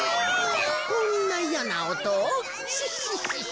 こんないやなおとをシッシッシッシ。